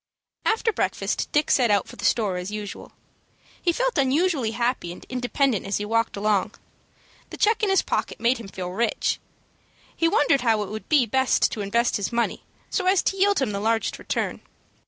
After breakfast Dick set out for the store as usual. He felt unusually happy and independent as he walked along. The check in his pocket made him feel rich. He wondered how it would be best to invest his money so as to yield him the largest return.